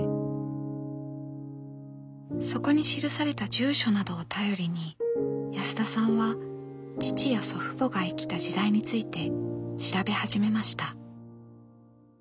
そこに記された住所などを頼りに安田さんは父や祖父母が生きた時代について調べ始めました。